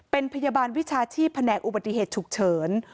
เป็นพยาบาลวิชาชีพแผนกอุบัติเหตุฉุกเฉิน